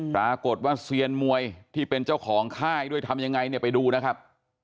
ปรากฏว่าเซียนมวยที่เป็นเจ้าของค่ายด้วยทำยังไงเนี่ยไปดูนะครับ